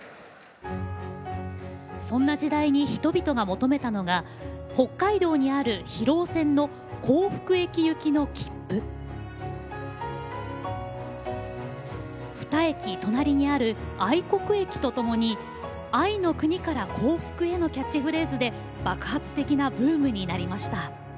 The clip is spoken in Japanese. そんな時代に人々が求めたのが北海道にある広尾線の２駅隣にある愛国駅とともに「愛の国から幸福へ」のキャッチフレーズで爆発的なブームになりました。